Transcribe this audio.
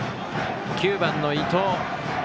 ９番の伊藤。